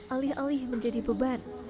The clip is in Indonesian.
alih alih menjadi beban